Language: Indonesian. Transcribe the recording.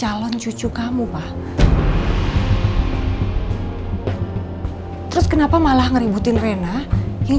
elsa pasti mau istirahat kan